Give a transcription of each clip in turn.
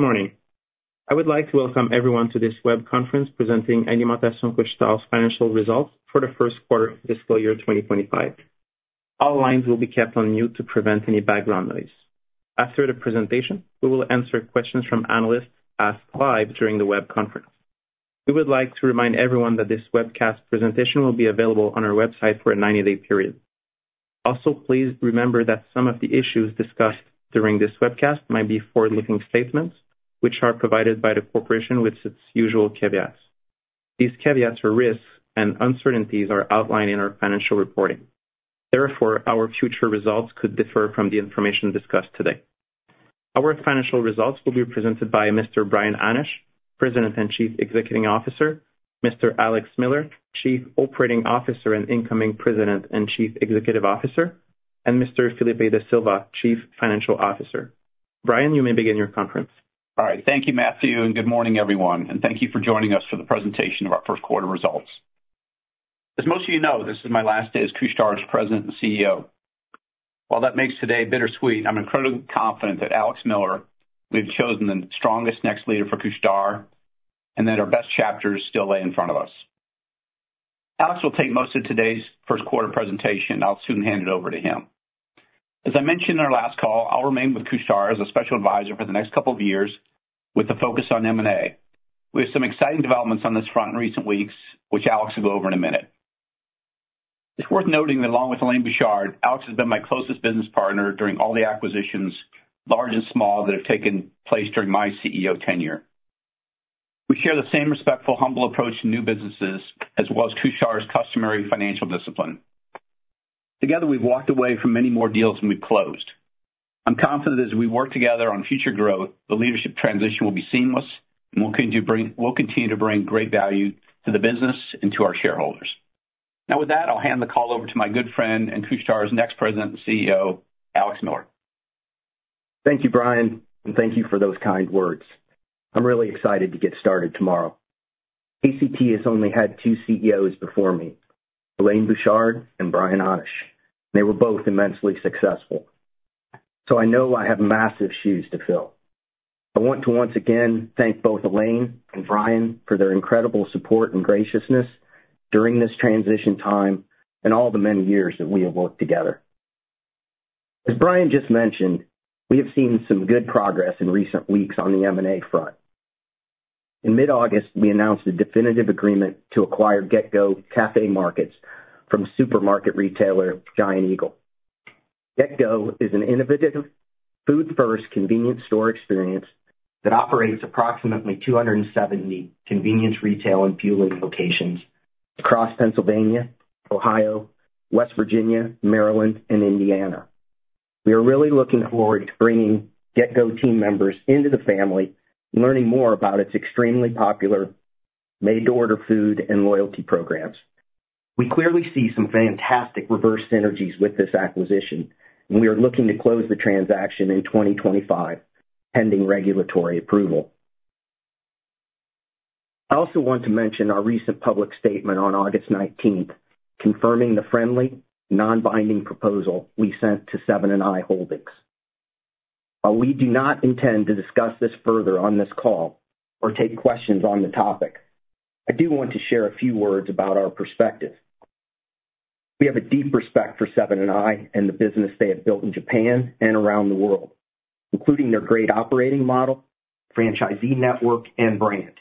Good morning. I would like to welcome everyone to this web conference presenting Alimentation Couche-Tard's financial results for the Q1 of fiscal year twenty twenty-five. All lines will be kept on mute to prevent any background noise. After the presentation, we will questions from analysts asked live during the web conference. We would like to remind everyone that this webcast presentation will be available on our website for a ninety-day period. Also, please remember that some of the issues discussed during this webcast might be forward-looking statements, which are provided by the corporation with its usual caveats. These caveats or risks and uncertainties are outlined in our financial reporting. Therefore, our future results could differ from the information discussed today. Our financial results will be presented by Mr. Brian Hannasch, President and Chief Executive Officer, Mr. Alex Miller, Chief Operating Officer and incoming President and Chief Executive Officer, and Mr. Filipe Da Silva, Chief Financial Officer. Brian, you may begin your conference. All right. Thank you, Matthew, and good morning, everyone, and thank you for joining us for the presentation of our Q1 results. As most of you know, this is my last day as Couche-Tard's President and CEO. While that makes today bittersweet, I'm incredibly confident that Alex Miller, we've chosen the strongest next leader for Couche-Tard, and that our best chapters still lay in front of us. Alex will take most of today's Q1 presentation. I'll soon hand it over to him. As I mentioned in our last call, I'll remain with Couche-Tard as a special advisor for the next couple of years with a focus on M&A. We have some exciting developments on this front in recent weeks, which Alex will go over in a minute. It's worth noting that along with Alain Bouchard, Alex has been my closest business partner during all the acquisitions, large and small, that have taken place during my CEO tenure. We share the same respectful, humble approach to new businesses, as well as Couche-Tard's customary financial discipline. Together, we've walked away from many more deals than we've closed. I'm confident as we work together on future growth, the leadership transition will be seamless and we'll continue to bring, we'll continue to bring great value to the business and to our shareholders. Now, with that, I'll hand the call over to my good friend and Couche-Tard's next President and CEO, Alex Miller. Thank you, Brian, and thank you for those kind words. I'm really excited to get started tomorrow. ACT has only had two CEOs before me, Alain Bouchard and Brian Hannasch. They were both immensely successful, so I know I have massive shoes to fill. I want to once again thank both Alain and Brian for their incredible support and graciousness during this transition time and all the many years that we have worked together. As Brian just mentioned, we have seen some good progress in recent weeks on the M&A front. In mid-August, we announced a definitive agreement to acquire GetGo Café + Market from supermarket retailer Giant Eagle. GetGo is an innovative food-first convenience store experience that operates approximately 270 convenience retail and fueling locations across Pennsylvania, Ohio, West Virginia, Maryland, and Indiana. We are really looking forward to bringing GetGo team members into the family and learning more about its extremely popular made-to-order food and loyalty programs. We clearly see some fantastic reverse synergies with this acquisition, and we are looking to close the transaction in 2025, pending regulatory approval. I also want to mention our recent public statement on August nineteenth, confirming the friendly, non-binding proposal we sent to Seven & i Holdings. While we do not intend to discuss this further on this call or take questions on the topic, I do want to share a few words about our perspective. We have a deep respect for Seven & I and the business they have built in Japan and around the world, including their great operating model, franchisee network, and brand.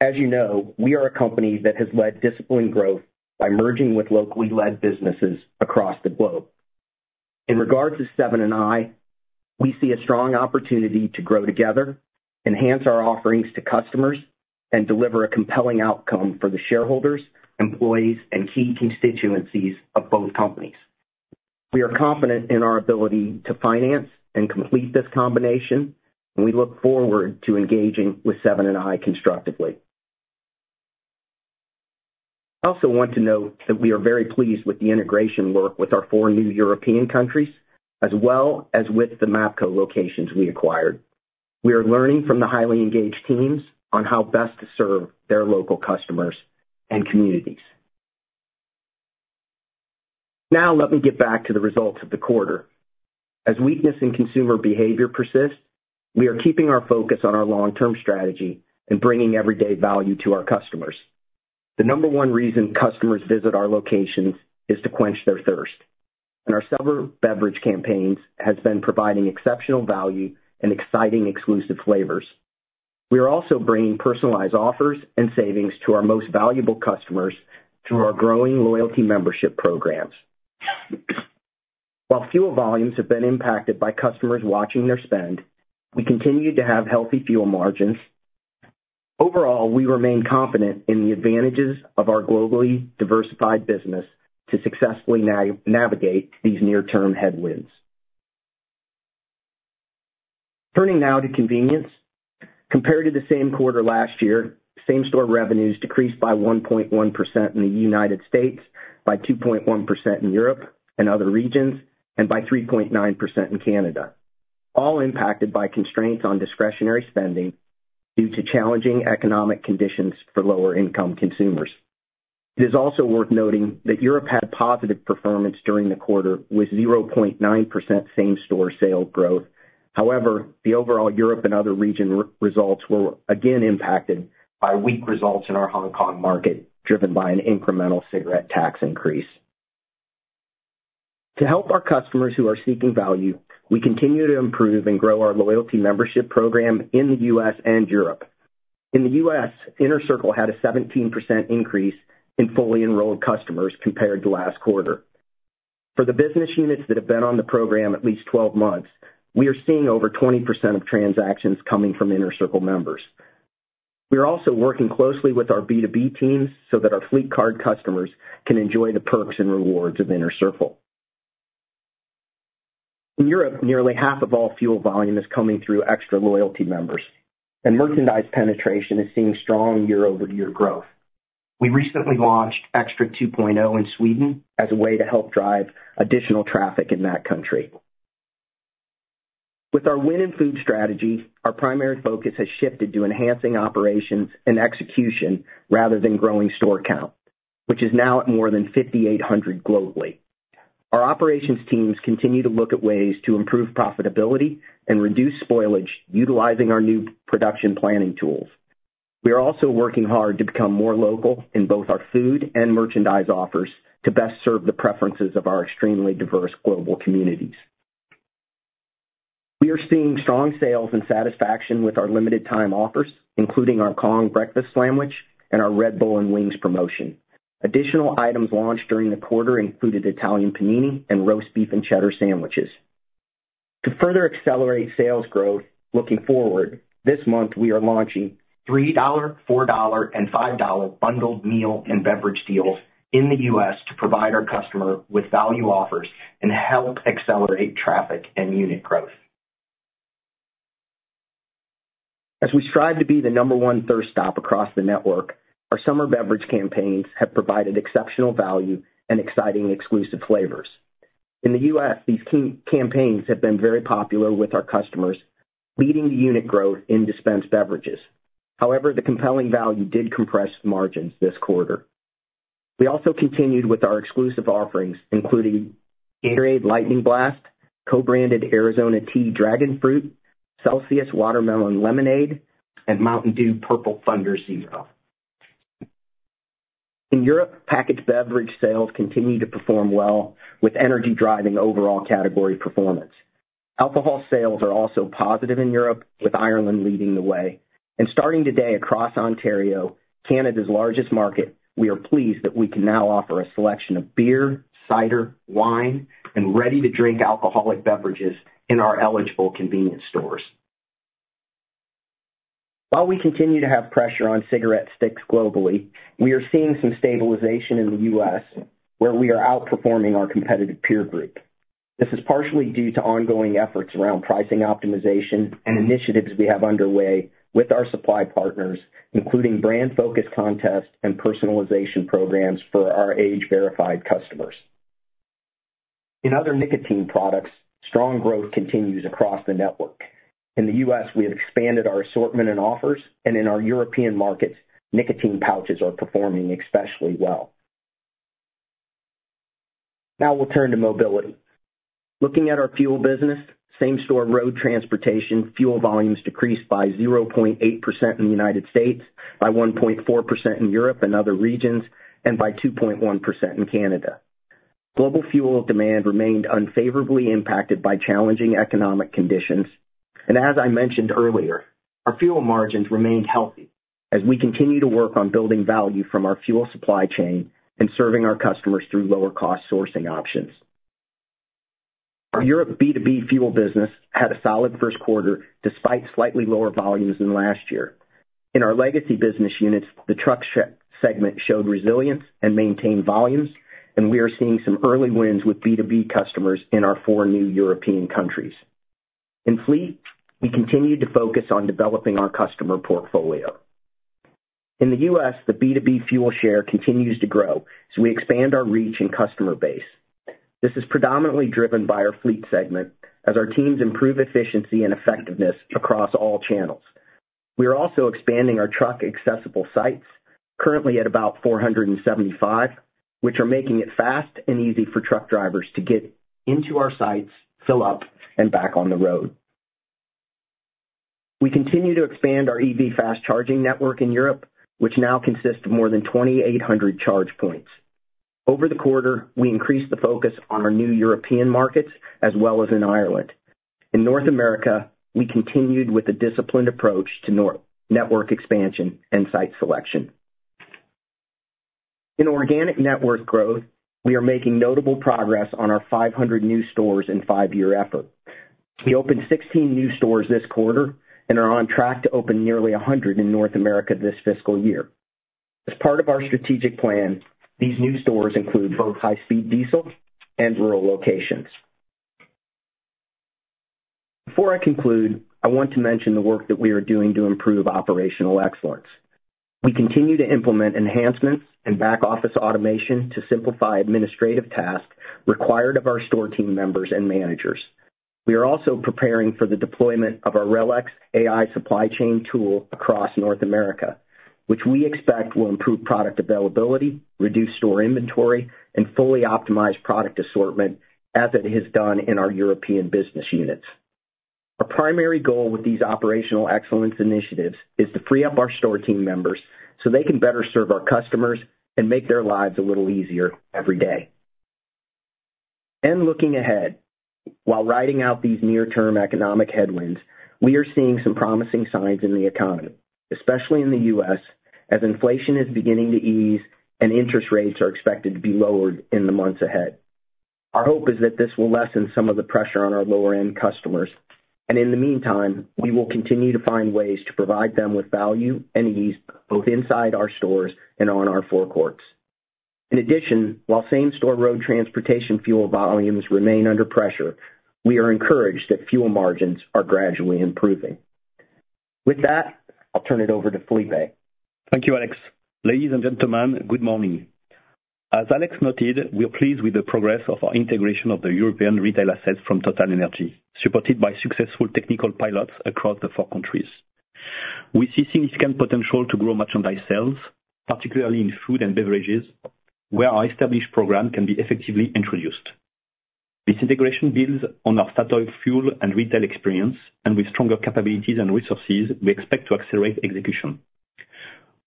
As you know, we are a company that has led disciplined growth by merging with locally led businesses across the globe. In regards to Seven & i, we see a strong opportunity to grow together, enhance our offerings to customers, and deliver a compelling outcome for the shareholders, employees, and key constituencies of both companies. We are confident in our ability to finance and complete this combination, and we look forward to engaging with Seven & i constructively. I also want to note that we are very pleased with the integration work with our four new European countries, as well as with the MAPCO locations we acquired. We are learning from the highly engaged teams on how best to serve their local customers and communities. Now, let me get back to the results of the quarter. As weakness in consumer behavior persists, we are keeping our focus on our long-term strategy and bringing everyday value to our customers. The number one reason customers visit our locations is to quench their thirst, and our summer beverage campaigns has been providing exceptional value and exciting exclusive flavors. We are also bringing personalized offers and savings to our most valuable customers through our growing loyalty membership programs. While fuel volumes have been impacted by customers watching their spend, we continue to have healthy fuel margins. Overall, we remain confident in the advantages of our globally diversified business to successfully navigate these near-term headwinds. Turning now to convenience. Compared to the same quarter last year, same-store revenues decreased by 1.1% in the United States, by 2.1% in Europe and other regions, and by 3.9% in Canada, all impacted by constraints on discretionary spending due to challenging economic conditions for lower-income consumers. It is also worth noting that Europe had positive performance during the quarter, with 0.9% same-store sales growth. However, the overall Europe and other regions results were again impacted by weak results in our Hong Kong market, driven by an incremental cigarette tax increase. To help our customers who are seeking value, we continue to improve and grow our loyalty membership program in the US and Europe. In the US, Inner Circle had a 17% increase in fully enrolled customers compared to last quarter. For the business units that have been on the program at least 12 months, we are seeing over 20% of transactions coming from Inner Circle members. We are also working closely with our B2B teams so that our fleet card customers can enjoy the perks and rewards of Inner Circle. In Europe, nearly half of all fuel volume is coming through Extra loyalty members, and merchandise penetration is seeing strong year-over-year growth. We recently launched Extra 2.0 in Sweden as a way to help drive additional traffic in that country. With our Win and Food strategy, our primary focus has shifted to enhancing operations and execution rather than growing store count, which is now at more than 5,800 globally. Our operations teams continue to look at ways to improve profitability and reduce spoilage, utilizing our new production planning tools. We are also working hard to become more local in both our food and merchandise offers to best serve the preferences of our extremely diverse global communities. We are seeing strong sales and satisfaction with our limited time offers, including our Kong Breakfast Sandwich and our Red Bull and Wings promotion. Additional items launched during the quarter included Italian panini and roast beef and cheddar sandwiches. To further accelerate sales growth, looking forward, this month, we are launching $3, $4, and $5 bundled meal and beverage deals in the U.S. to provide our customer with value offers and help accelerate traffic and unit growth. As we strive to be the number one thirst stop across the network, our summer beverage campaigns have provided exceptional value and exciting exclusive flavors. In the U.S., these campaigns have been very popular with our customers, leading to unit growth in dispensed beverages. However, the compelling value did compress margins this quarter. We also continued with our exclusive offerings, including Gatorade Lightning Blast, co-branded Arizona Tea Dragon Fruit, Celsius Watermelon Lemonade, and Mountain Dew Purple Thunder Zero. In Europe, packaged beverage sales continue to perform well, with energy driving overall category performance. Alcohol sales are also positive in Europe, with Ireland leading the way. And starting today, across Ontario, Canada's largest market, we are pleased that we can now offer a selection of beer, cider, wine, and ready-to-drink alcoholic beverages in our eligible convenience stores. While we continue to have pressure on cigarette sticks globally, we are seeing some stabilization in the U.S., where we are outperforming our competitive peer group. This is partially due to ongoing efforts around pricing optimization and initiatives we have underway with our supply partners, including brand-focused contests and personalization programs for our age-verified customers. In other nicotine products, strong growth continues across the network. In the U.S., we have expanded our assortment and offers, and in our European markets, nicotine pouches are performing especially well. Now we'll turn to mobility. Looking at our fuel business, same-store road transportation fuel volumes decreased by 0.8% in the United States, by 1.4% in Europe and other regions, and by 2.1% in Canada. Global fuel demand remained unfavorably impacted by challenging economic conditions, and as I mentioned earlier, our fuel margins remained healthy as we continue to work on building value from our fuel supply chain and serving our customers through lower-cost sourcing options. Our Europe B2B fuel business had a solid Q1, despite slightly lower volumes than last year. In our legacy business units, the truck stop segment showed resilience and maintained volumes, and we are seeing some early wins with B2B customers in our four new European countries. In fleet, we continued to focus on developing our customer portfolio. In the U.S., the B2B fuel share continues to grow as we expand our reach and customer base. This is predominantly driven by our fleet segment as our teams improve efficiency and effectiveness across all channels. We are also expanding our truck-accessible sites, currently at about 475, which are making it fast and easy for truck drivers to get into our sites, fill up, and back on the road. We continue to expand our EV fast charging network in Europe, which now consists of more than 2,800 charge points. Over the quarter, we increased the focus on our new European markets as well as in Ireland. In North America, we continued with a disciplined approach to network expansion and site selection. In organic network growth, we are making notable progress on our 500 new stores and five-year effort. We opened 16 new stores this quarter and are on track to open nearly 100 in North America this fiscal year. As part of our strategic plan, these new stores include both high-speed diesel and rural locations. Before I conclude, I want to mention the work that we are doing to improve operational excellence. We continue to implement enhancements and back-office automation to simplify administrative tasks required of our store team members and managers.... We are also preparing for the deployment of our RELEX AI supply chain tool across North America, which we expect will improve product availability, reduce store inventory, and fully optimize product assortment as it has done in our European business units. Our primary goal with these operational excellence initiatives is to free up our store team members, so they can better serve our customers and make their lives a little easier every day. And looking ahead, while riding out these near-term economic headwinds, we are seeing some promising signs in the economy, especially in the U.S., as inflation is beginning to ease and interest rates are expected to be lowered in the months ahead. Our hope is that this will lessen some of the pressure on our lower-end customers, and in the meantime, we will continue to find ways to provide them with value and ease, both inside our stores and on our forecourts. In addition, while same store road transportation fuel volumes remain under pressure, we are encouraged that fuel margins are gradually improving. With that, I'll turn it over to Filipe. Thank you, Alex. Ladies and gentlemen, good morning. As Alex noted, we are pleased with the progress of our integration of the European retail assets from TotalEnergies, supported by successful technical pilots across the four countries. We see significant potential to grow merchandise sales, particularly in food and beverages, where our established program can be effectively introduced. This integration builds on our Statoil Fuel & Retail experience, and with stronger capabilities and resources, we expect to accelerate execution.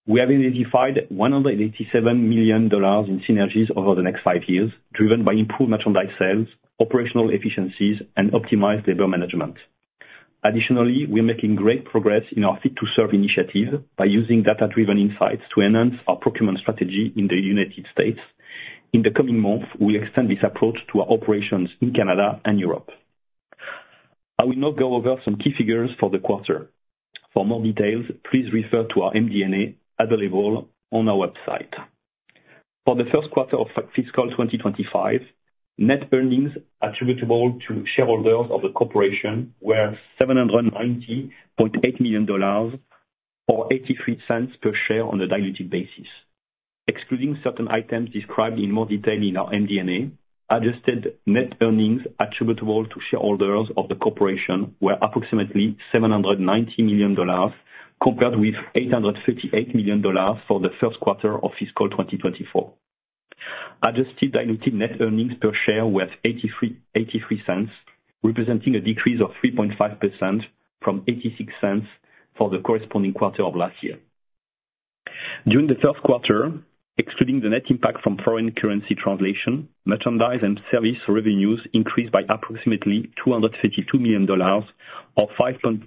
We have identified $187 million in synergies over the next five years, driven by improved merchandise sales, operational efficiencies, and optimized labor management. Additionally, we are making great progress in our Fit to Serve initiative by using data-driven insights to enhance our procurement strategy in the United States. In the coming months, we'll extend this approach to our operations in Canada and Europe. I will now go over some key figures for the quarter. For more details, please refer to our MD&A, available on our website. For the Q1 of fiscal twenty-twenty-five, net earnings attributable to shareholders of the corporation were $790.8 million, or $0.83 per share on a diluted basis. Excluding certain items described in more detail in our MD&A, adjusted net earnings attributable to shareholders of the corporation were approximately $790 million, compared with $838 million for the Q1 of fiscal twenty-twenty-four. Adjusted diluted net earnings per share was $0.83, representing a decrease of 3.5% from $0.86 for the corresponding quarter of last year. During the Q1, excluding the net impact from foreign currency translation, merchandise and service revenues increased by approximately $232 million, or 5.4%,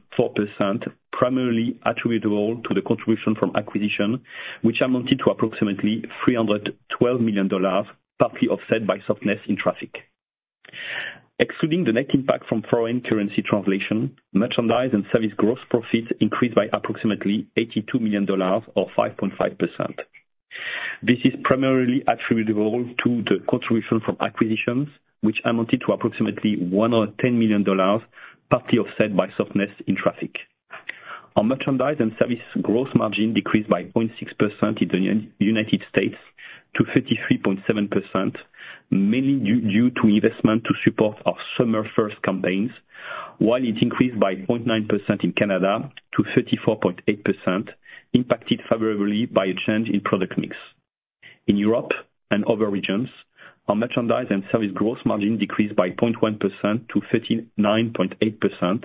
primarily attributable to the contribution from acquisition, which amounted to approximately $312 million, partly offset by softness in traffic. Excluding the net impact from foreign currency translation, merchandise and service gross profits increased by approximately $82 million or 5.5%. This is primarily attributable to the contribution from acquisitions, which amounted to approximately $110 million, partly offset by softness in traffic. Our merchandise and service gross margin decreased by 0.6% in the United States to 33.7%, mainly due to investment to support our Summer First campaigns, while it increased by 0.9% in Canada to 34.8%, impacted favorably by a change in product mix. In Europe and other regions, our merchandise and service gross margin decreased by 0.1% to 39.8%,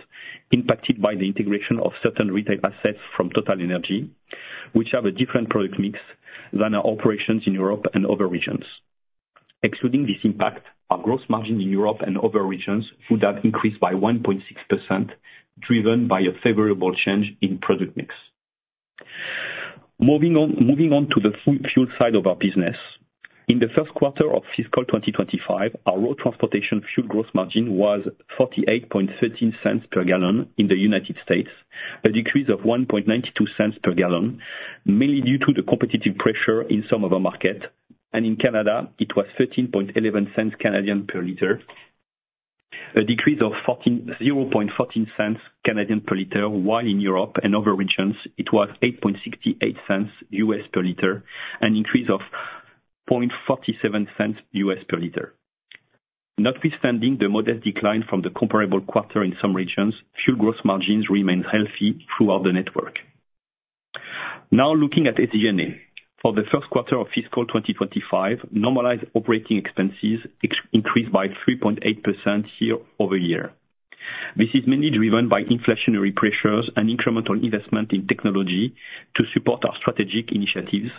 impacted by the integration of certain retail assets from TotalEnergies, which have a different product mix than our operations in Europe and other regions. Excluding this impact, our gross margin in Europe and other regions would have increased by 1.6%, driven by a favorable change in product mix. Moving on to the fuel side of our business. In the Q1 of fiscal 2025, our road transportation fuel gross margin was $0.4813 per gallon in the United States, a decrease of $0.0192 per gallon, mainly due to the competitive pressure in some of our market. In Canada, it was 0.1311 per liter, a decrease of 0.0014 per liter, while in Europe and other regions it was $0.0868 per liter, an increase of $0.0047 per liter. Notwithstanding the modest decline from the comparable quarter in some regions, fuel gross margins remain healthy throughout the network. Now, looking at MD&A. For the Q1 of fiscal 2025, normalized operating expenses increased by 3.8% year over year. This is mainly driven by inflationary pressures and incremental investment in technology to support our strategic initiatives,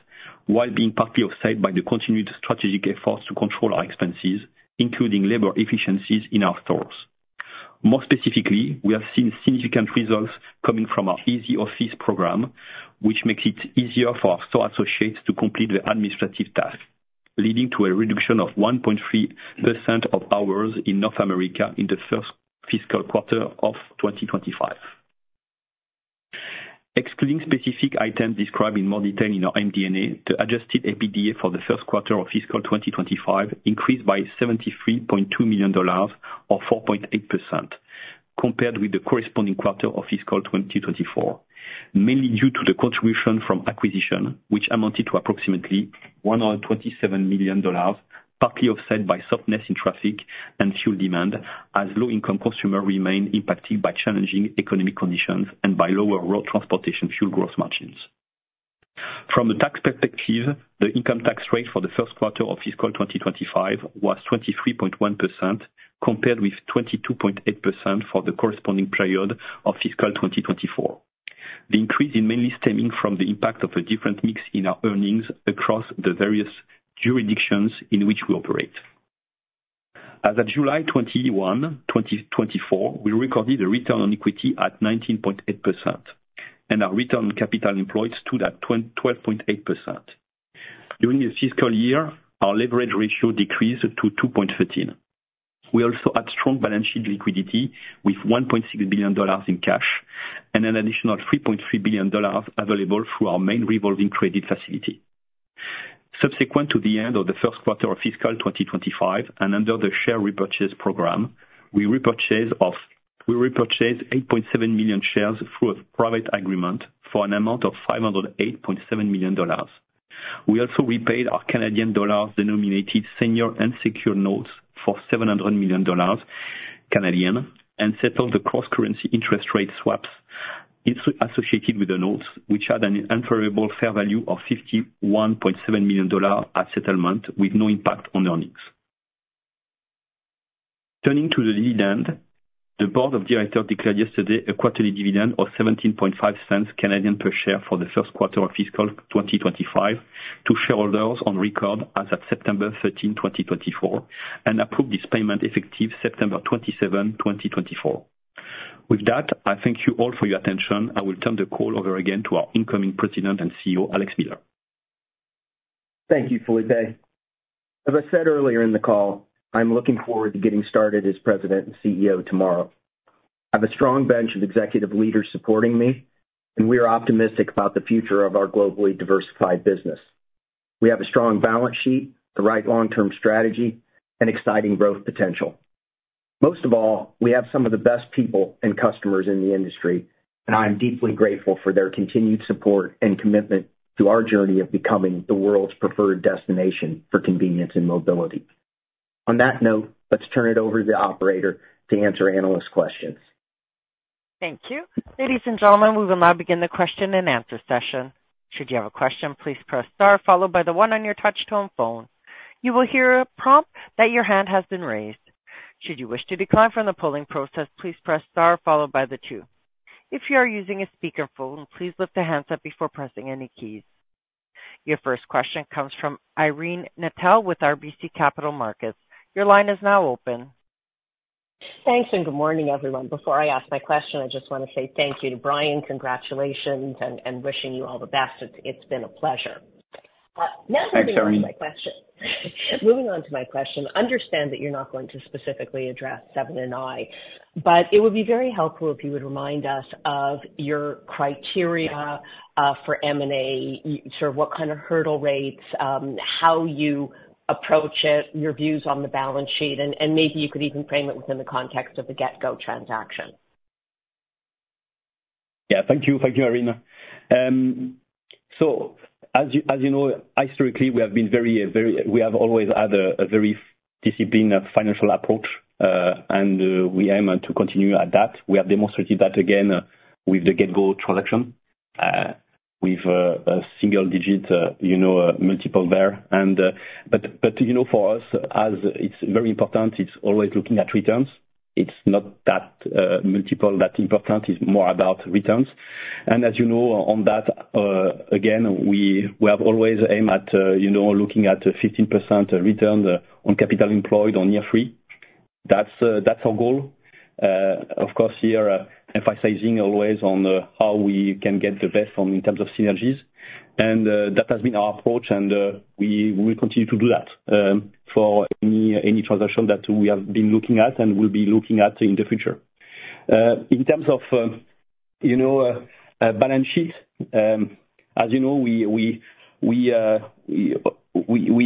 while being partly offset by the continued strategic efforts to control our expenses, including labor efficiencies in our stores. More specifically, we have seen significant results coming from our Easy Office program, which makes it easier for our store associates to complete their administrative tasks, leading to a reduction of 1.3% of hours in North America in the first fiscal quarter of 2025. Excluding specific items described in more detail in our MD&A, the adjusted EBITDA for the Q1 of fiscal 2025 increased by $73.2 million, or 4.8%. Compared with the corresponding quarter of fiscal 2024, mainly due to the contribution from acquisition, which amounted to approximately $127 million, partly offset by softness in traffic and fuel demand, as low-income consumers remain impacted by challenging economic conditions and by lower road transportation fuel gross margins. From a tax perspective, the income tax rate for the Q1 of fiscal 2025 was 23.1%, compared with 22.8% for the corresponding period of fiscal 2024. The increase mainly stemming from the impact of a different mix in our earnings across the various jurisdictions in which we operate. As of July 21, 2024, we recorded a return on equity at 19.8%, and our return on capital employed stood at 12.8%. During the fiscal year, our leverage ratio decreased to 2.13. We also had strong balance sheet liquidity with $1.6 billion in cash and an additional $3.3 billion available through our main revolving credit facility. Subsequent to the end of the Q1 of fiscal 2025, and under the share repurchase program, we repurchased 8.7 million shares through a private agreement for an amount of $508.7 million. We also repaid our Canadian dollar-denominated senior unsecured notes for 700 million Canadian dollars, and settled the cross-currency interest rate swaps associated with the notes, which had an unfavorable fair value of $51.7 million at settlement, with no impact on earnings. Turning to the dividend, the board of directors declared yesterday a quarterly dividend of 0.175 per share for the Q1 of fiscal 2025 to shareholders on record as of September 13, 2024, and approved this payment effective September 27, 2024. With that, I thank you all for your attention. I will turn the call over again to our incoming President and CEO, Alex Miller. Thank you, Filipe. As I said earlier in the call, I'm looking forward to getting started as President and CEO tomorrow. I have a strong bench of executive leaders supporting me, and we are optimistic about the future of our globally diversified business. We have a strong balance sheet, the right long-term strategy, and exciting growth potential. Most of all, we have some of the best people and customers in the industry, and I am deeply grateful for their continued support and commitment to our journey of becoming the world's preferred destination for convenience and mobility. On that note, let's turn it over to the operator to answer analyst questions. Thank you. Ladies and gentlemen, we will now begin the question and answer session. Should you have a question, please press star followed by the one on your touch tone phone. You will hear a prompt that your hand has been raised. Should you wish to decline from the polling process, please press star followed by the two. If you are using a speakerphone, please lift the handset up before pressing any keys. Your first question comes from Irene Nattel with RBC Capital Markets. Your line is now open. Thanks, and good morning, everyone. Before I ask my question, I just want to say thank you to Brian. Congratulations, and wishing you all the best. It's been a pleasure. Now- Thanks, Irene. Moving on to my question. Understand that you're not going to specifically address Seven & i, but it would be very helpful if you would remind us of your criteria for M&A. Sort of what kind of hurdle rates, how you approach it, your views on the balance sheet, and maybe you could even frame it within the context of the GetGo transaction. Yeah. Thank you. Thank you, Irene. So as you know, historically, we have been very, we have always had a very disciplined financial approach, and we aim to continue at that. We have demonstrated that again with the GetGo transaction, with a single digit, you know, multiple there. And, but, you know, for us, as it's very important, it's always looking at returns. It's not that multiple that important, it's more about returns. And as you know, on that, again, we have always aim at, you know, looking at a 15% return on capital employed on year three. That's, that's our goal. Of course, here, emphasizing always on, how we can get the best from in terms of synergies. That has been our approach, and we will continue to do that for any transaction that we have been looking at and will be looking at in the future. In terms of, you know, balance sheet, as you know, we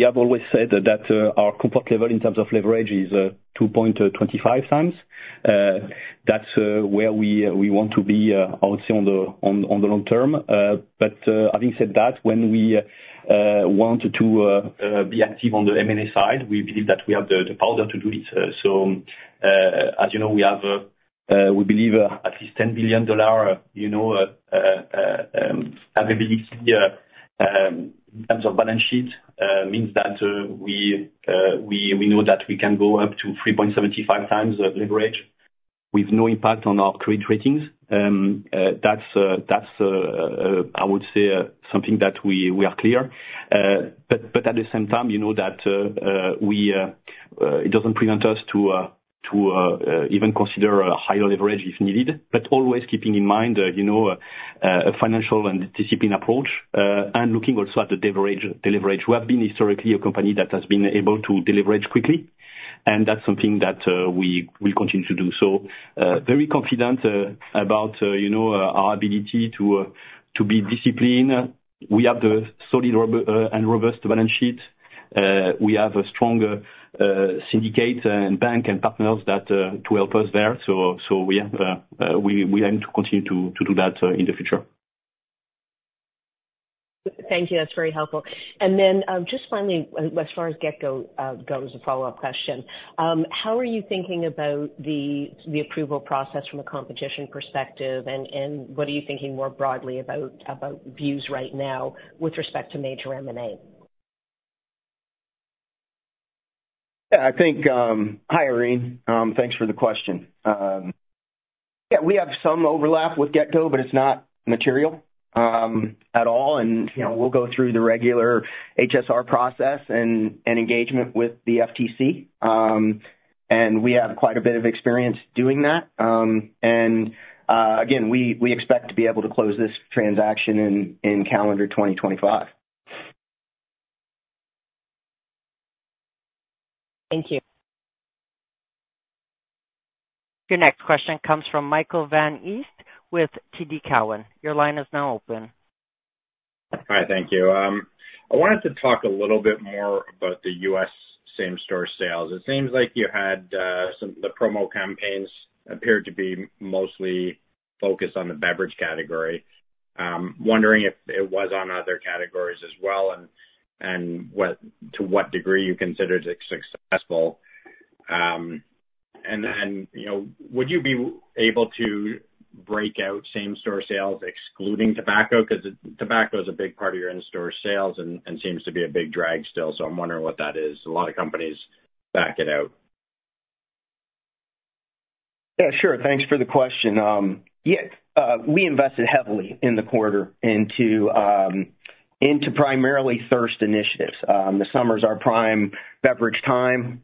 have always said that our comfort level in terms of leverage is two point twenty-five times. That's where we want to be, I would say, on the long term. But having said that, when we want to be active on the M&A side, we believe that we have the power to do it. So, as you know, we believe we have at least $10 billion availability in terms of balance sheet. That means we know that we can go up to 3.75 times of leverage with no impact on our credit ratings. That's something that we are clear. But at the same time, you know that it doesn't prevent us to even consider a higher leverage if needed, but always keeping in mind a financial and disciplined approach and looking also at deleveraging. We have been historically a company that has been able to deleverage quickly, and that's something that we will continue to do. So, very confident about, you know, our ability to be disciplined. We have the solid and robust balance sheet. We have a stronger syndicate and banking partners to help us there. So, we aim to continue to do that in the future. Thank you. That's very helpful. And then, just finally, as far as GetGo goes, a follow-up question. How are you thinking about the approval process from a competition perspective? And, what are you thinking more broadly about views right now with respect to major M&A? Yeah, I think... Hi, Irene. Thanks for the question. Yeah, we have some overlap with GetGo, but it's not material at all. And, you know, we'll go through the regular HSR process and engagement with the FTC. And we have quite a bit of experience doing that. And, again, we expect to be able to close this transaction in calendar 2025. Thank you. Your next question comes from Michael Van Aelst with TD Cowen. Your line is now open. Hi, thank you. I wanted to talk a little bit more about the U.S. same store sales. It seems like you had the promo campaigns appeared to be mostly focused on the beverage category. Wondering if it was on other categories as well, and what, to what degree you considered it successful? And then, you know, would you be able to break out same store sales excluding tobacco? 'Cause tobacco is a big part of your in-store sales and seems to be a big drag still. So I'm wondering what that is. A lot of companies back it out. Yeah, sure. Thanks for the question. We invested heavily in the quarter into primarily thirst initiatives. The summer is our prime beverage time.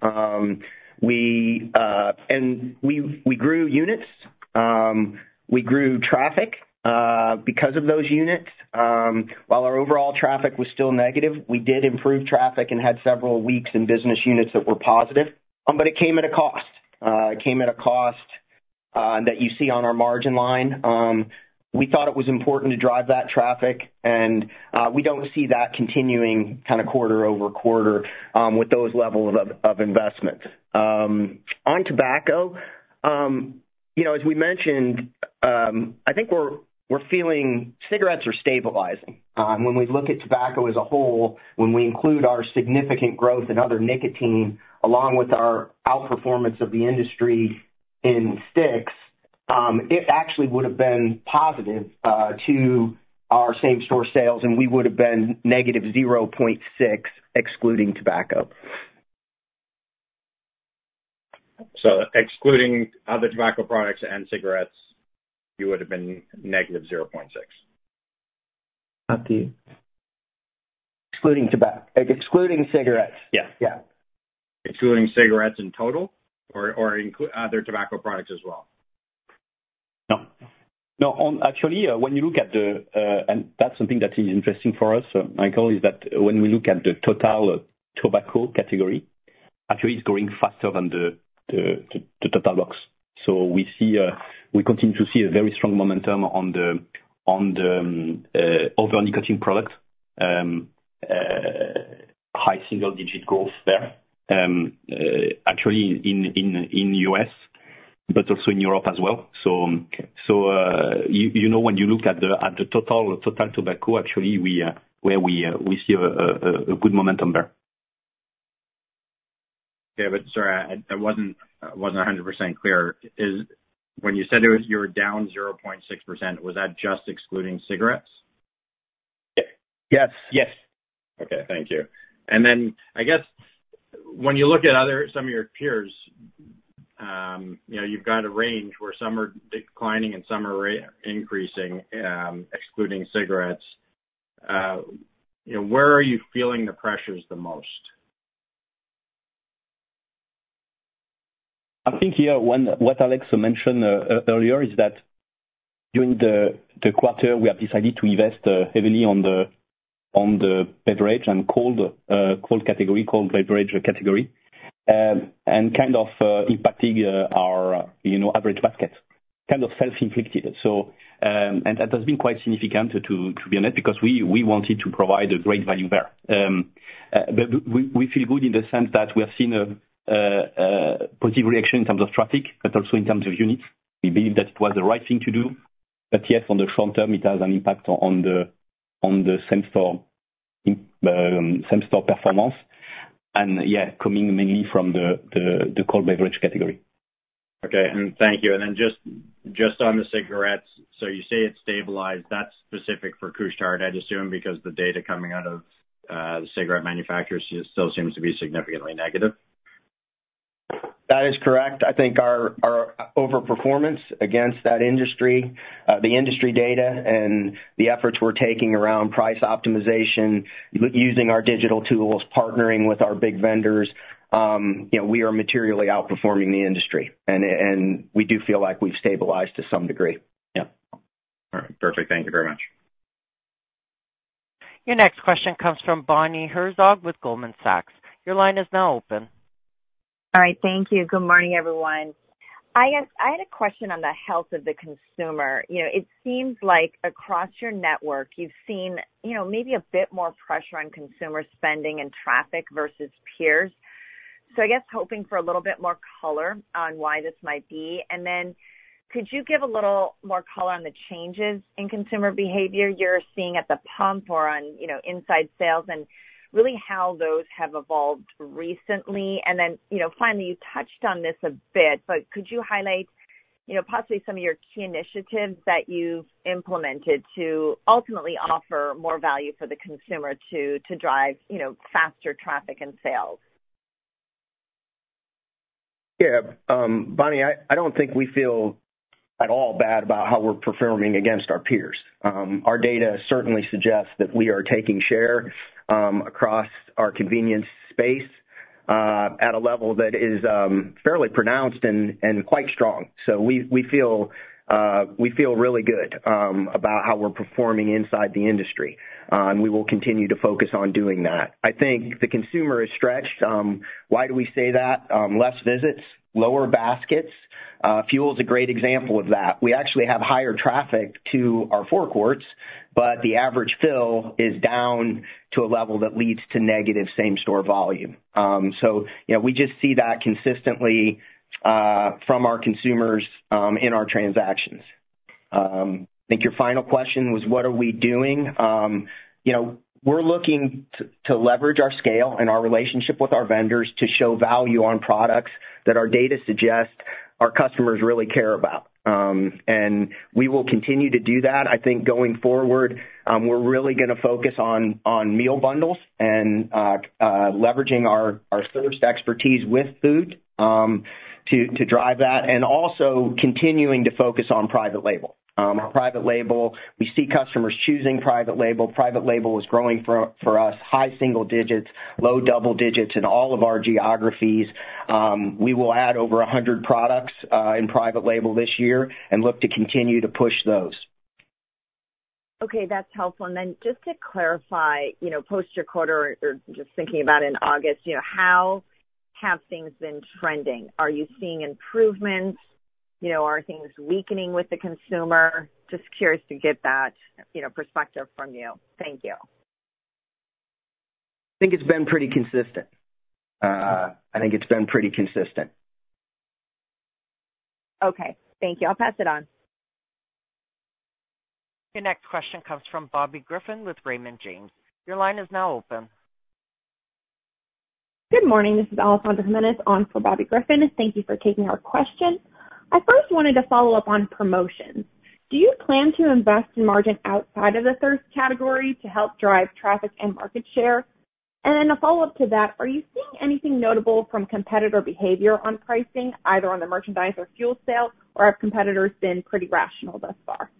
We grew units. We grew traffic because of those units. While our overall traffic was still negative, we did improve traffic and had several weeks in business units that were positive. But it came at a cost. It came at a cost that you see on our margin line. We thought it was important to drive that traffic, and we don't see that continuing kind of quarter over quarter with those level of investment. On tobacco, you know, as we mentioned, I think we're feeling cigarettes are stabilizing. When we look at tobacco as a whole, when we include our significant growth in other nicotine, along with our outperformance of the industry in sticks, it actually would have been positive to our same store sales, and we would have been negative 0.6, excluding tobacco. So excluding other tobacco products and cigarettes, you would have been negative 0.6? Up to you. Excluding tobacco, excluding cigarettes. Yeah. Yeah. Excluding cigarettes in total, or including other tobacco products as well? No, no, actually, when you look at the and that's something that is interesting for us, so Michael, is that when we look at the total tobacco category, actually it's growing faster than the total box. So we see we continue to see a very strong momentum on the other nicotine products. High single digit growth there. Actually in US, but also in Europe as well. So you know, when you look at the total tobacco, actually we where we we see a good momentum there. Yeah, but sorry, I wasn't 100% clear. Is, when you said it was, you were down 0.6%, was that just excluding cigarettes? Yes. Yes. Okay, thank you. And then, I guess, when you look at other some of your peers, you know, you've got a range where some are declining and some are increasing, excluding cigarettes. You know, where are you feeling the pressures the most? I think, yeah, when what Alex mentioned earlier is that during the quarter, we have decided to invest heavily on the beverage and cold category, cold beverage category, and kind of impacting our, you know, average basket. Kind of self-inflicted. So, and that has been quite significant to be honest, because we wanted to provide a great value there. But we feel good in the sense that we have seen a positive reaction in terms of traffic, but also in terms of units. We believe that it was the right thing to do, but yet on the short term, it has an impact on the same store performance, and yeah, coming mainly from the cold beverage category. Okay, and thank you. And then just on the cigarettes, so you say it's stabilized. That's specific for Couche-Tard, I'd assume, because the data coming out of the cigarette manufacturers still seems to be significantly negative. That is correct. I think our overperformance against that industry, the industry data and the efforts we're taking around price optimization, using our digital tools, partnering with our big vendors, you know, we are materially outperforming the industry, and we do feel like we've stabilized to some degree. Yeah. All right. Perfect. Thank you very much. Your next question comes from Bonnie Herzog with Goldman Sachs. Your line is now open. All right, thank you. Good morning, everyone. I guess I had a question on the health of the consumer. You know, it seems like across your network, you've seen, you know, maybe a bit more pressure on consumer spending and traffic versus peers. So I guess hoping for a little bit more color on why this might be. And then could you give a little more color on the changes in consumer behavior you're seeing at the pump or on, you know, inside sales? And really how those have evolved recently. And then, you know, finally, you touched on this a bit, but could you highlight, you know, possibly some of your key initiatives that you've implemented to ultimately offer more value for the consumer to drive, you know, faster traffic and sales? Yeah, Bonnie, I don't think we feel at all bad about how we're performing against our peers. Our data certainly suggests that we are taking share across our convenience space at a level that is fairly pronounced and quite strong. So we feel, we feel really good about how we're performing inside the industry and we will continue to focus on doing that. I think the consumer is stretched. Why do we say that? Less visits, lower baskets. Fuel is a great example of that. We actually have higher traffic to our forecourts, but the average fill is down to a level that leads to negative same store volume. So, you know, we just see that consistently from our consumers in our transactions. I think your final question was, what are we doing? You know, we're looking to leverage our scale and our relationship with our vendors to show value on products that our data suggests our customers really care about. And we will continue to do that. I think going forward, we're really gonna focus on meal bundles and leveraging our thirst expertise with food to drive that, and also continuing to focus on private label. Our private label, we see customers choosing private label. Private label is growing for us, high single digits, low double digits in all of our geographies. We will add over 100 products in private label this year and look to continue to push those. Okay, that's helpful. And then just to clarify, you know, post your quarter or just thinking about in August, you know, how have things been trending? Are you seeing improvements? You know, are things weakening with the consumer? Just curious to get that, you know, perspective from you. Thank you. I think it's been pretty consistent. Okay, thank you. I'll pass it on. Your next question comes from Bobby Griffin with Raymond James. Your line is now open. Good morning. This is Alessandra Jimenez on for Bobby Griffin. Thank you for taking our question. I first wanted to follow up on promotions. Do you plan to invest in margin outside of the thirst category to help drive traffic and market share? And then a follow-up to that, are you seeing anything notable from competitor behavior on pricing, either on the merchandise or fuel sales, or have competitors been pretty rational thus far?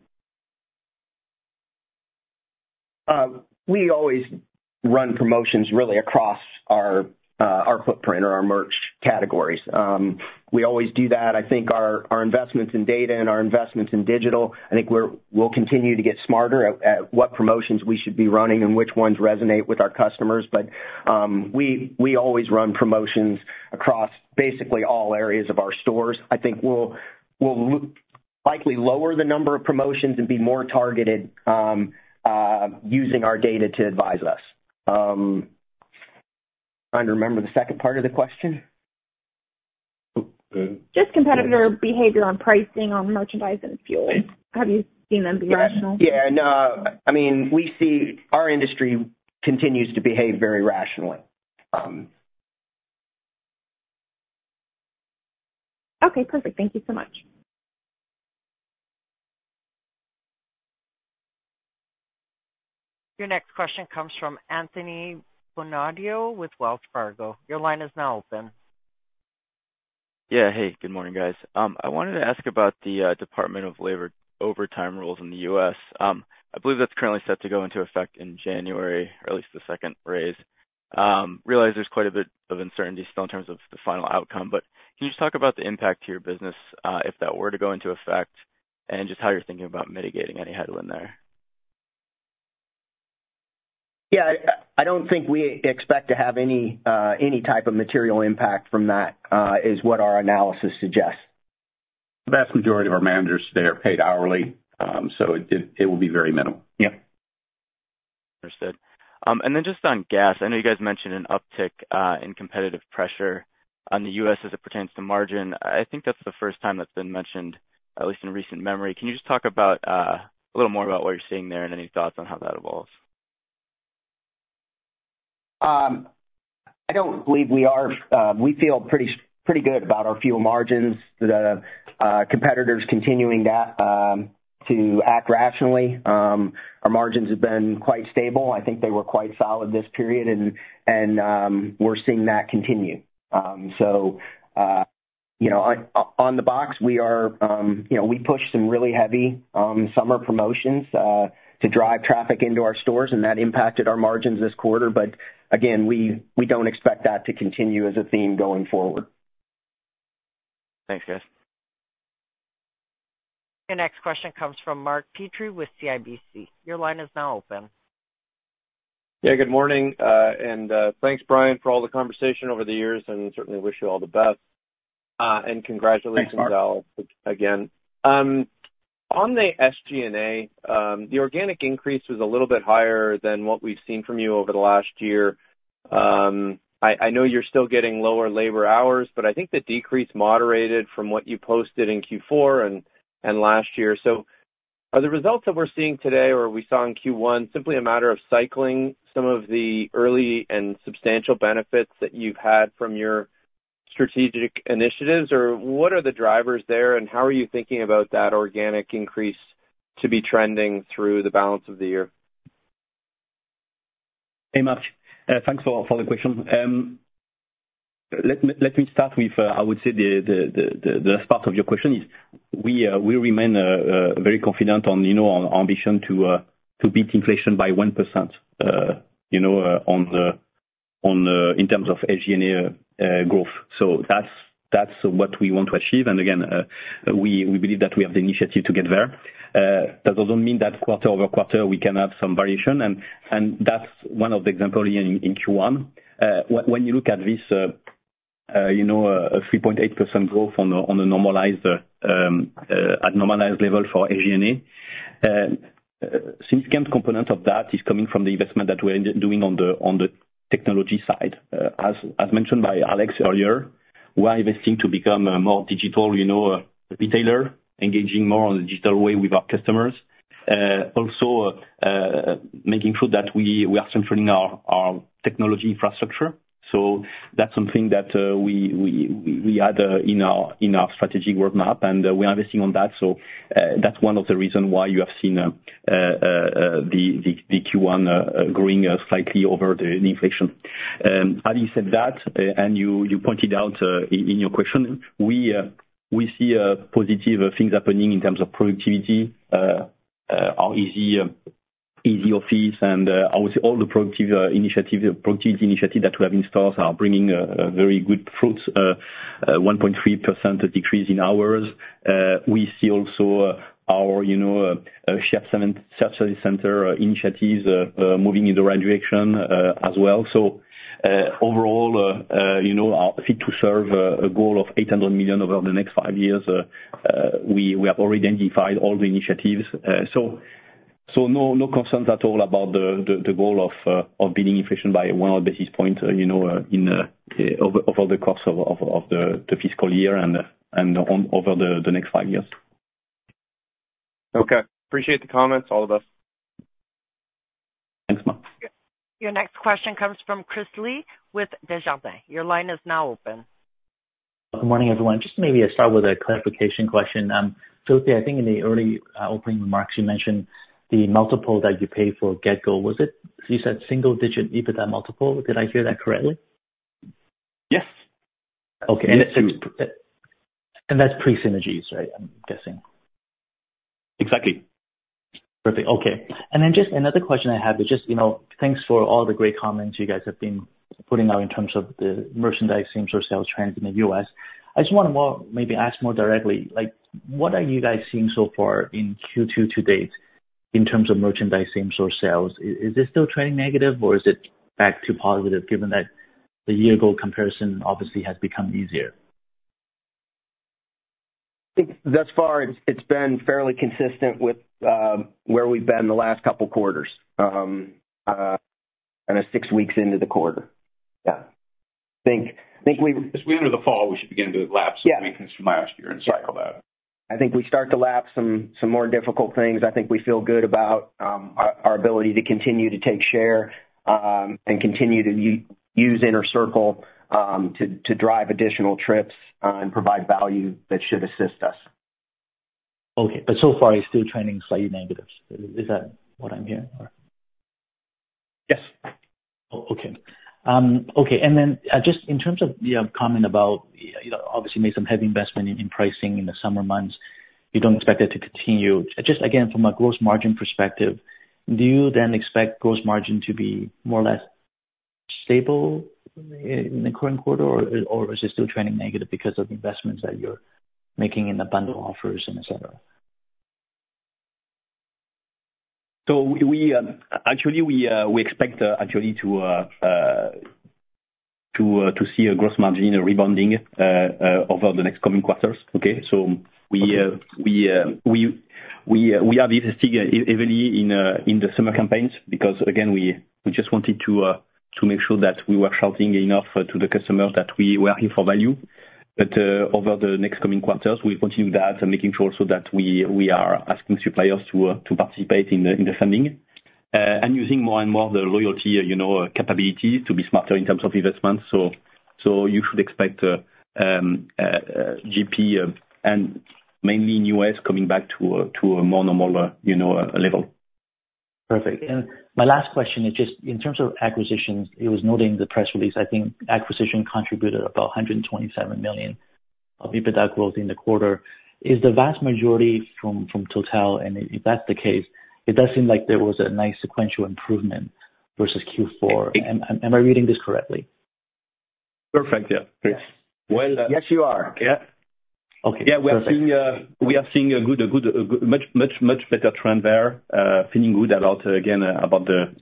We always run promotions really across our footprint or our merch categories. We always do that. I think our investments in data and our investments in digital, I think we'll continue to get smarter at what promotions we should be running and which ones resonate with our customers, but we always run promotions across basically all areas of our stores. I think we'll likely lower the number of promotions and be more targeted using our data to advise us. Trying to remember the second part of the question. Just competitor behavior on pricing, on merchandise and fuel. Have you seen them be rational? Yeah, no. I mean, we see our industry continues to behave very rationally. Okay, perfect. Thank you so much. Your next question comes from Anthony Bonadio with Wells Fargo. Your line is now open. Yeah. Hey, good morning, guys. I wanted to ask about the Department of Labor overtime rules in the U.S. I believe that's currently set to go into effect in January, or at least the second raise. Realize there's quite a bit of uncertainty still in terms of the final outcome. But can you just talk about the impact to your business, if that were to go into effect and just how you're thinking about mitigating any headwind there? Yeah. I don't think we expect to have any type of material impact from that, is what our analysis suggests. The vast majority of our managers, they are paid hourly, so it will be very minimal. Yeah. Understood. Then just on gas, I know you guys mentioned an uptick in competitive pressure on the U.S. as it pertains to margin. I think that's the first time that's been mentioned, at least in recent memory. Can you just talk about a little more about what you're seeing there and any thoughts on how that evolves? I don't believe we are. We feel pretty good about our fuel margins, the competitors continuing that to act rationally. Our margins have been quite stable. I think they were quite solid this period, and we're seeing that continue. So, you know, on the box, we are, you know, we pushed some really heavy summer promotions to drive traffic into our stores, and that impacted our margins this quarter. But again, we don't expect that to continue as a theme going forward. Thanks, guys.... Your next question comes from Mark Petrie with CIBC. Your line is now open. Yeah, good morning, and thanks, Brian, for all the conversation over the years, and certainly wish you all the best, and congratulations. Thanks, Mark. Again. On the SG&A, the organic increase was a little bit higher than what we've seen from you over the last year. I know you're still getting lower labor hours, but I think the decrease moderated from what you posted in Q4 and last year. So are the results that we're seeing today, or we saw in Q1, simply a matter of cycling some of the early and substantial benefits that you've had from your strategic initiatives? Or what are the drivers there, and how are you thinking about that organic increase to be trending through the balance of the year? Hey, Mark, thanks for the question. Let me start with, I would say, the last part of your question is, we remain very confident on, you know, on our ambition to beat inflation by 1%, you know, on the in terms of SG&A growth. So that's what we want to achieve, and again, we believe that we have the initiative to get there. That doesn't mean that quarter over quarter we cannot have some variation, and that's one of the example in Q1. When you look at this, you know, a 3.8% growth on the normalized, at normalized level for SG&A, significant component of that is coming from the investment that we're doing on the technology side. As mentioned by Alex earlier, we're investing to become a more digital, you know, retailer, engaging more on the digital way with our customers. Also, making sure that we are strengthening our technology infrastructure. So that's something that we had in our strategic roadmap, and we're investing on that. So, that's one of the reason why you have seen the Q1 growing slightly over the inflation. Having said that, and you pointed out in your question, we see positive things happening in terms of productivity. Our Easy Office and, obviously, all the productivity initiatives that we have in stores are bringing a very good fruits. 1.3% decrease in hours. We see also, our, you know, ship seven service center initiatives moving in the right direction, as well. Overall, you know, our Fit to Serve, a goal of $800 million over the next five years, we have already identified all the initiatives. No concerns at all about the goal of beating inflation by one hundred basis points, you know, over the course of the fiscal year and over the next five years. Okay. Appreciate the comments, all of us. Thanks, Mark. Your next question comes from Chris Li with Desjardins. Your line is now open. Good morning, everyone. Just maybe I start with a clarification question. Filipe, I think in the early opening remarks, you mentioned the multiple that you paid for GetGo. Was it... You said single digit EBITDA multiple, did I hear that correctly? Yes. Okay. And it's- And that's pre-synergies, right? I'm guessing. Exactly. Perfect, okay. And then just another question I had was just, you know, thanks for all the great comments you guys have been putting out in terms of the merchandise same-store sales trends in the U.S. I just want to more, maybe ask more directly, like, what are you guys seeing so far in Q2 to date, in terms of merchandise same-store sales? Is this still trending negative or is it back to positive, given that the year-ago comparison obviously has become easier? I think thus far, it's been fairly consistent with where we've been the last couple quarters, and it's six weeks into the quarter. Yeah. I think we- As we enter the fall, we should begin to lapse- Yeah From last year and cycle that. I think we start to lapse some more difficult things. I think we feel good about our ability to continue to take share and continue to use Inner Circle to drive additional trips and provide value that should assist us. Okay, but so far, it's still trending slightly negative. Is, is that what I'm hearing, or? Yes. Oh, okay. Okay, and then, just in terms of, you know, comment about, you know, obviously made some heavy investment in pricing in the summer months, you don't expect that to continue. Just again, from a gross margin perspective, do you then expect gross margin to be more or less stable in the current quarter, or is it still trending negative because of the investments that you're making in the bundle offers and et cetera? We actually expect to see a gross margin rebounding over the next coming quarters, okay? So- Okay... We are investing heavily in the summer campaigns, because again, we just wanted to make sure that we were shouting enough to the customers that we were here for value, but over the next coming quarters, we'll continue that, and making sure so that we are asking suppliers to participate in the funding. And using more and more the loyalty, you know, capabilities to be smarter in terms of investments, so you should expect GP, and mainly in U.S., coming back to a more normal, you know, level. Perfect. My last question is just in terms of acquisitions. It was noted in the press release, I think, acquisition contributed about 127 million of EBITDA growth in the quarter. Is the vast majority from Total? And if that's the case, it does seem like there was a nice sequential improvement versus Q4. Am I reading this correctly?... Perfect, yeah, Chris. Well- Yes, you are. Yeah. Okay. Yeah, we are seeing a good much better trend there. Feeling good about, again, about the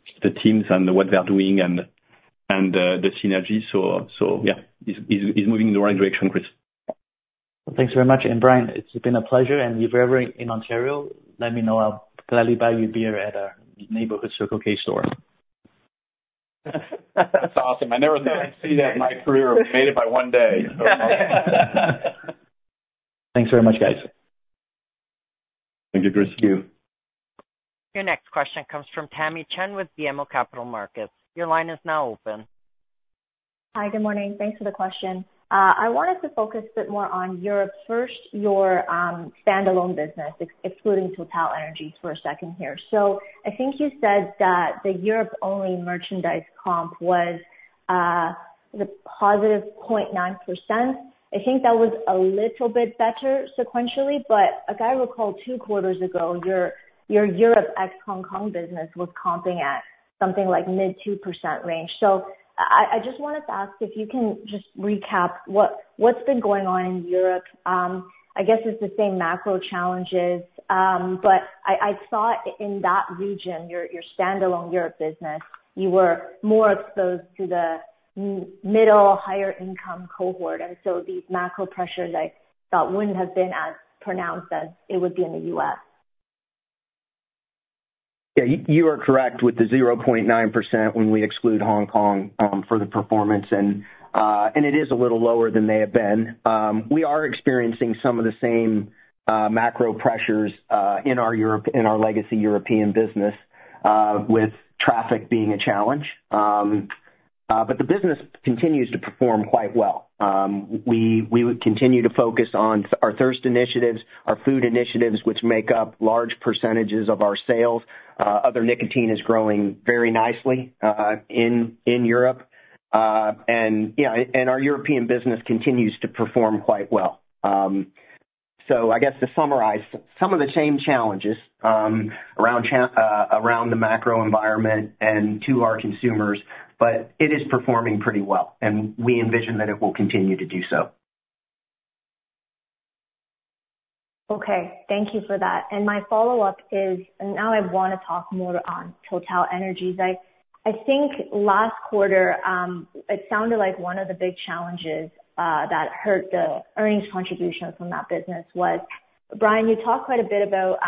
teams and what they are doing and the synergy. So yeah, is moving in the right direction, Chris. Thanks very much, and Brian, it's been a pleasure, and if you're ever in Ontario, let me know. I'll gladly buy you a beer at our neighborhood Circle K store. That's awesome. I never thought I'd see that in my career. I made it by one day. Thanks very much, guys. Thank you, Chris. Your next question comes from Tamy Chen with BMO Capital Markets. Your line is now open. Hi, good morning. Thanks for the question. I wanted to focus a bit more on Europe first, your standalone business, excluding TotalEnergies for a second here. So I think you said that the Europe-only merchandise comp was the positive 0.9%. I think that was a little bit better sequentially, but if I recall, two quarters ago, your Europe ex-Hong Kong business was comping at something like mid-2% range. So I just wanted to ask if you can just recap what's been going on in Europe. I guess it's the same macro challenges, but I thought in that region, your standalone Europe business, you were more exposed to the middle, higher income cohort, and so these macro pressures, I thought, wouldn't have been as pronounced as it would be in the U.S. Yeah, you are correct with the 0.9% when we exclude Hong Kong for the performance, and it is a little lower than they have been. We are experiencing some of the same macro pressures in our Europe, in our legacy European business with traffic being a challenge, but the business continues to perform quite well. We would continue to focus on our thirst initiatives, our food initiatives, which make up large percentages of our sales. Other nicotine is growing very nicely in Europe. Yeah, and our European business continues to perform quite well. So I guess to summarize, some of the same challenges around the macro environment and to our consumers, but it is performing pretty well, and we envision that it will continue to do so. Okay, thank you for that. And my follow-up is, now I wanna talk more on TotalEnergies. I think last quarter, it sounded like one of the big challenges that hurt the earnings contribution from that business was, Brian, you talked quite a bit about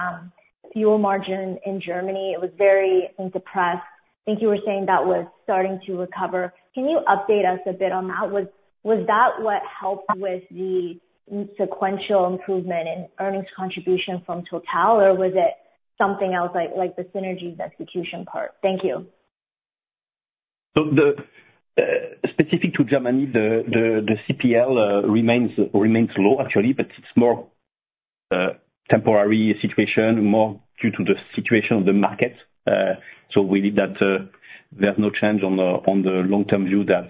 fuel margin in Germany. It was very depressed. I think you were saying that was starting to recover. Can you update us a bit on that? Was that what helped with the sequential improvement in earnings contribution from Total, or was it something else, like the synergies execution part? Thank you. So, specific to Germany, the CPL remains low actually, but it's more temporary situation, more due to the situation of the market. So we need that. There's no change on the long-term view that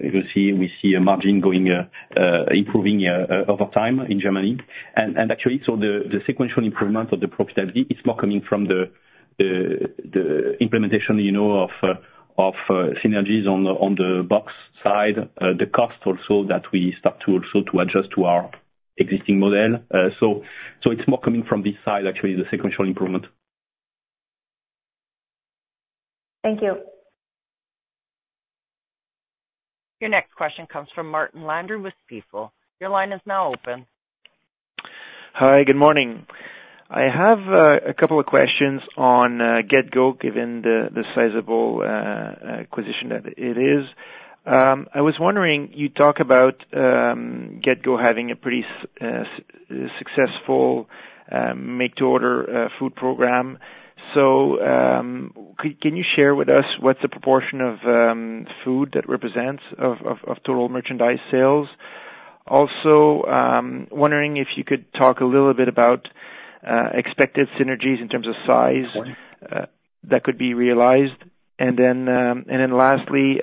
you will see, we see a margin going improving over time in Germany. And actually, so the sequential improvement of the profitability is more coming from the implementation, you know, of synergies on the box side. The cost also that we start to adjust to our existing model. So it's more coming from this side, actually, the sequential improvement. Thank you. Your next question comes from Martin Landry with Stifel. Your line is now open. Hi, good morning. I have a couple of questions on GetGo, given the sizable acquisition that it is. I was wondering, you talk about GetGo having a pretty successful make-to-order food program. So, can you share with us what's the proportion of food that represents of total merchandise sales? Also, wondering if you could talk a little bit about expected synergies in terms of size that could be realized. And then lastly,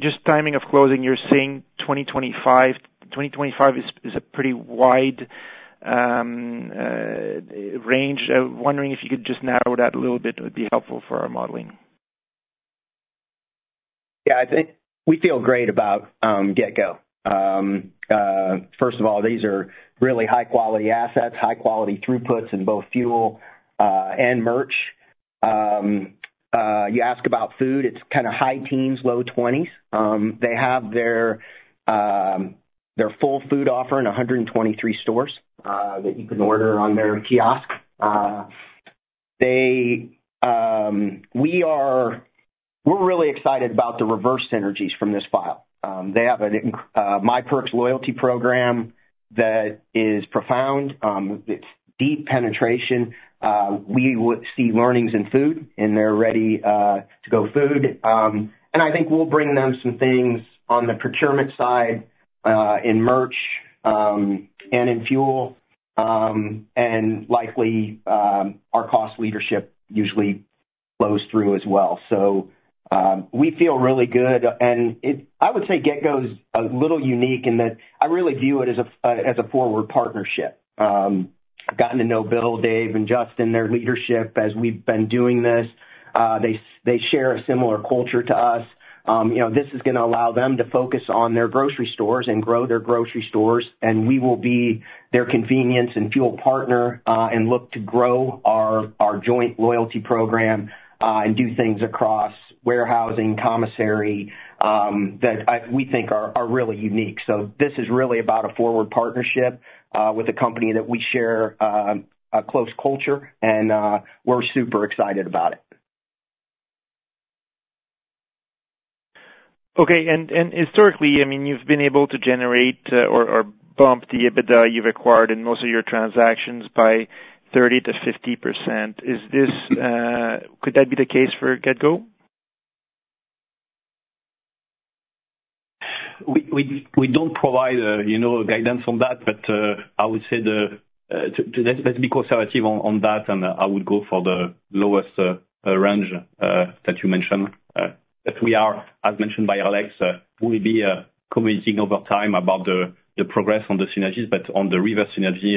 just timing of closing, you're saying twenty twenty-five. Twenty twenty-five is a pretty wide range. I'm wondering if you could just narrow that a little bit, it would be helpful for our modeling. Yeah, I think we feel great about GetGo. First of all, these are really high-quality assets, high-quality throughputs in both fuel and merch. You ask about food, it's kind of high teens, low twenties. They have their full food offering, 123 stores that you can order on their kiosk. We are, we're really excited about the reverse synergies from this deal. They have an incredible myPerks loyalty program that is profound, it's deep penetration. We would see learnings in food, in their ready to go food. And I think we'll bring them some things on the procurement side, in merch and in fuel, and likely our cost leadership usually flows through as well. We feel really good, and it. I would say GetGo's a little unique in that I really view it as a forward partnership, gotten to know Bill, Dave, and Justin, their leadership, as we've been doing this. They share a similar culture to us. You know, this is gonna allow them to focus on their grocery stores and grow their grocery stores, and we will be their convenience and fuel partner, and look to grow our joint loyalty program, and do things across warehousing, commissary, that we think are really unique. This is really about a forward partnership, with a company that we share a close culture, and we're super excited about it. Okay, and historically, I mean, you've been able to generate or bump the EBITDA you've acquired in most of your transactions by 30%-50%. Is this, could that be the case for GetGo? We don't provide, you know, guidance on that, but I would say, let's be conservative on that, and I would go for the lowest range that you mentioned. But we are, as mentioned by Alex, we'll be communicating over time about the progress on the synergies. But on the reverse synergy,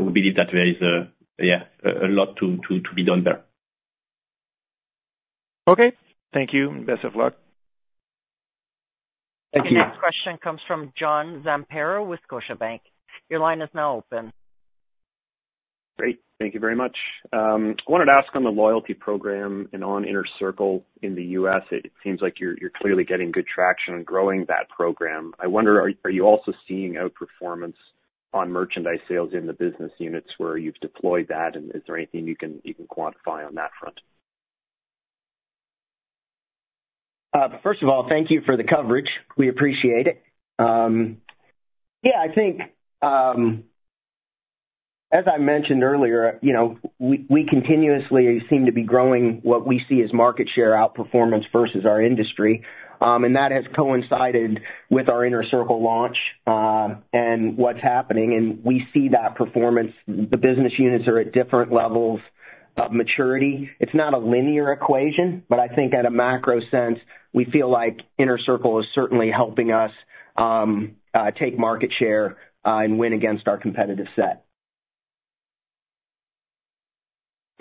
we believe that there is, yeah, a lot to be done there. Okay, thank you. Best of luck. Thank you. Your next question comes from John Zamparo with Scotiabank. Your line is now open. Great, thank you very much. I wanted to ask on the loyalty program and on Inner Circle in the US. It seems like you're clearly getting good traction on growing that program. I wonder, are you also seeing outperformance on merchandise sales in the business units where you've deployed that, and is there anything you can quantify on that front? First of all, thank you for the coverage. We appreciate it. Yeah, I think, as I mentioned earlier, you know, we continuously seem to be growing what we see as market share outperformance versus our industry, and that has coincided with our Inner Circle launch, and what's happening, and we see that performance. The business units are at different levels of maturity. It's not a linear equation, but I think at a macro sense, we feel like Inner Circle is certainly helping us take market share, and win against our competitive set.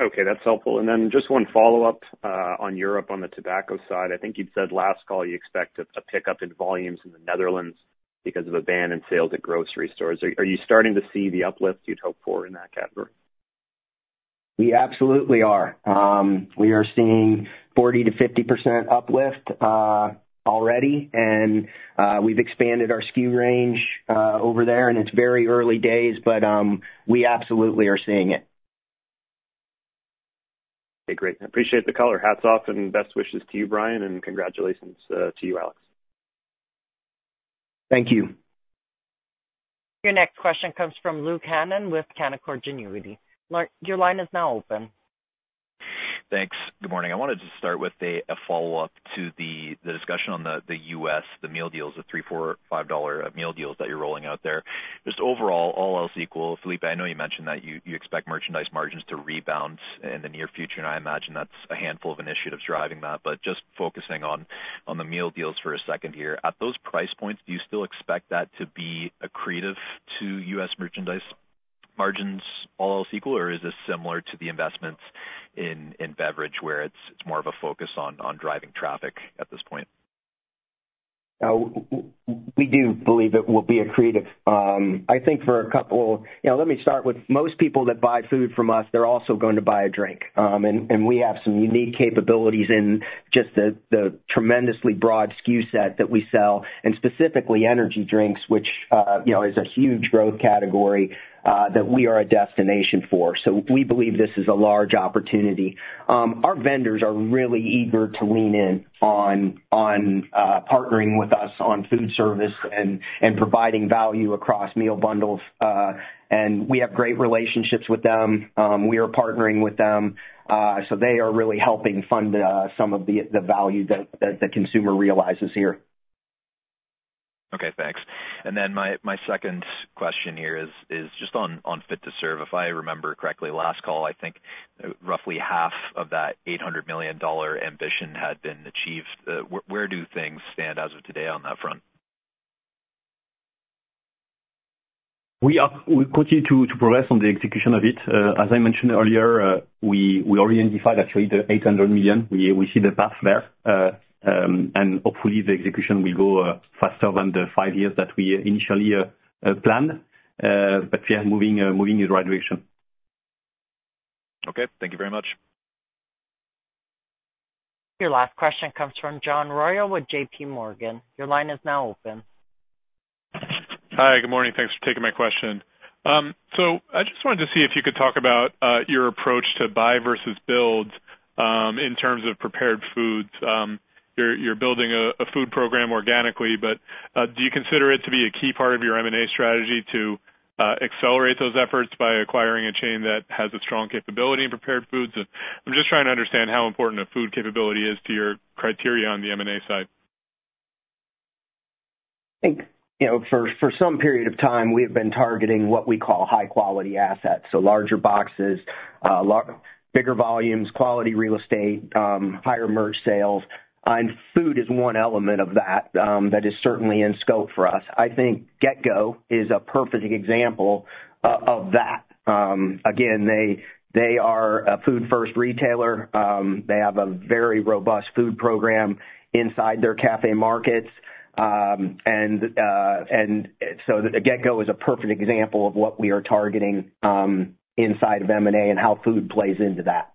Okay, that's helpful. And then just one follow-up on Europe, on the tobacco side. I think you'd said last call, you expect a pickup in volumes in the Netherlands because of a ban in sales at grocery stores. Are you starting to see the uplift you'd hoped for in that category? We absolutely are. We are seeing 40-50% uplift already, and we've expanded our SKU range over there, and it's very early days, but we absolutely are seeing it. Okay, great. I appreciate the color. Hats off and best wishes to you, Brian, and congratulations to you, Alex. Thank you. Your next question comes from Luke Hannan with Canaccord Genuity. Luke, your line is now open. Thanks. Good morning. I wanted to start with a follow-up to the discussion on the U.S., the meal deals, the $3, $4, $5 meal deals that you're rolling out there. Just overall, all else equal, Filipe, I know you mentioned that you expect merchandise margins to rebound in the near future, and I imagine that's a handful of initiatives driving that. But just focusing on the meal deals for a second here. At those price points, do you still expect that to be accretive to U.S. merchandise margins, all else equal, or is this similar to the investments in beverage, where it's more of a focus on driving traffic at this point? We do believe it will be accretive. I think for a couple... You know, let me start with, most people that buy food from us, they're also going to buy a drink, and we have some unique capabilities in just the tremendously broad SKU set that we sell, and specifically energy drinks, which, you know, is a huge growth category that we are a destination for. So we believe this is a large opportunity. Our vendors are really eager to lean in on partnering with us on food service and providing value across meal bundles. And we have great relationships with them. We are partnering with them, so they are really helping fund some of the value that the consumer realizes here. Okay, thanks. And then my second question here is just on Fit to Serve. If I remember correctly, last call, I think roughly half of that $800 million ambition had been achieved. Where do things stand as of today on that front? We continue to progress on the execution of it. As I mentioned earlier, we already identified actually the $800 million. We see the path there, and hopefully, the execution will go faster than the five years that we initially planned, but we are moving in the right direction. Okay, thank you very much. Your last question comes from John Royall with J.P. Morgan. Your line is now open. Hi, good morning. Thanks for taking my question. So I just wanted to see if you could talk about your approach to buy versus build in terms of prepared foods. You're building a food program organically, but do you consider it to be a key part of your M&A strategy to accelerate those efforts by acquiring a chain that has a strong capability in prepared foods? I'm just trying to understand how important a food capability is to your criteria on the M&A side. I think, you know, for some period of time, we have been targeting what we call high quality assets, so larger boxes, bigger volumes, quality real estate, higher merch sales, and food is one element of that, that is certainly in scope for us. I think GetGo is a perfect example of that. Again, they are a food-first retailer. They have a very robust food program inside their café markets. And so the GetGo is a perfect example of what we are targeting inside of M&A and how food plays into that. Thank you.